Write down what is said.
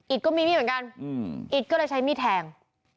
ก็มีมีดเหมือนกันอิดก็เลยใช้มีดแทง